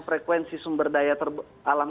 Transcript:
frekuensi sumber daya alam